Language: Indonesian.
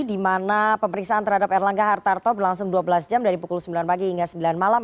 di mana pemeriksaan terhadap erlangga hartarto berlangsung dua belas jam dari pukul sembilan pagi hingga sembilan malam